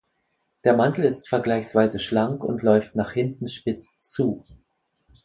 Der Mantel ist vergleichsweise schlank und läuft nach hinten spitz zu.